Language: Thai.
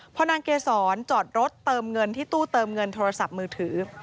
พอนางเกษรจอดรถเติมเงินที่ตู้เติมเงินโทรศัพท์มือถือ